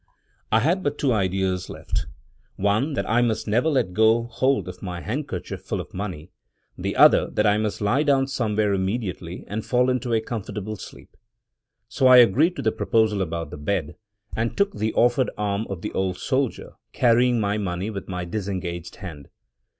I had but two ideas left: one, that I must never let go hold of my handkerchief full of money; the other, that I must lie down somewhere immediately, and fall off into a comfortable sleep. So I agreed to the proposal about the bed, and took the offered arm of the old soldier, carrying my money with my disengaged hand.